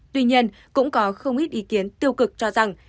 tuy nhiên cũng có không ít ý kiến tiêu cực cho rằng